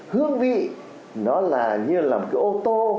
hương vị nó là như là một cái ô tô